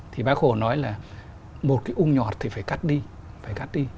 thì bác hồ nói là một cái ung nhọt thì phải cắt đi